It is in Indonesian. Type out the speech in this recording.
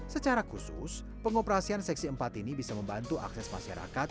secara khusus pengoperasian seksi empat ini bisa membantu akses masyarakat